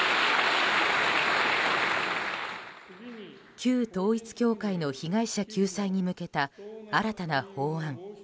旧統一教会の被害者救済に向けた新たな法案。